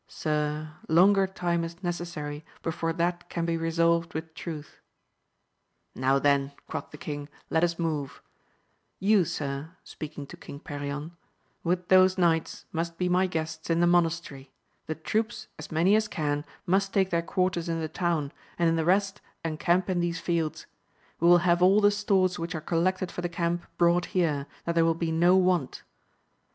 Sir, longer time is necessary before that can be resolved with truth. Now, then, quoth the king, let us move ; You, sir, speaking to Kong Perion, with those knights must be my guests in the monastery ; the troops, as many as can,, must take their quarters in the town, and the rest encamp in these fields ; we will have all the stores which are collected for the camp brought here, that there will be no want.